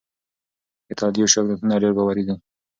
د تادیوش یادښتونه ډېر باوري دي.